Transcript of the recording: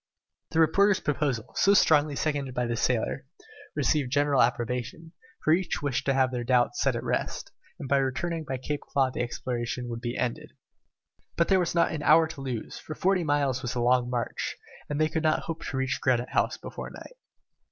The reporter's proposal, so strongly seconded by the sailor, received general approbation, for each wished to have their doubts set at rest, and by returning by Claw Cape the exploration would be ended. But there was not an hour to lose, for forty miles was a long march, and they could not hope to reach Granite House before night.